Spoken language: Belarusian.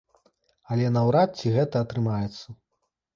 Але наўрад ці гэта атрымаецца.